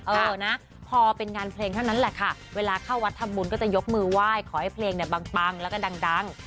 เออนะพอเป็นงานเพลงเท่านั้นแหละค่ะเวลาเข้าวัดทำบุญก็จะยกมือไหว้ขอให้เพลงเนี่ยบังปังแล้วก็ดัง